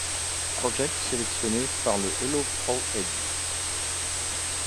Project, sélectionnée avec le Hello Pro Egg.